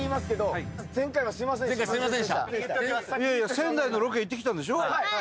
いやいや、仙台のロケ行ってきたんでしょ？